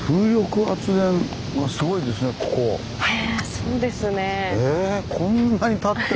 そうですね。